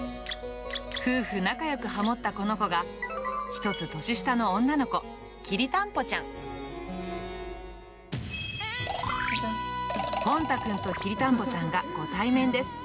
夫婦仲よくハモったこの子が、１つ年下の女の子、きりたんぽちゃん。ぽん太くんときりたんぽちゃんがご対面です。